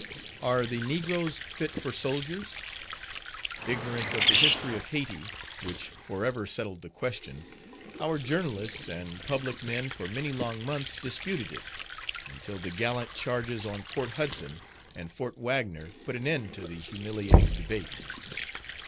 "Are the Negroes fit for Soldiers?" Ignorant of the history of Hayti, which forever settled the question, our journalists and public men for many long months disputed it, until the gallant charges on Port Hudson and Fort Wagner put an end to the humiliating debate.